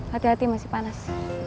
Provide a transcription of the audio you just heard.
hati hati masih panas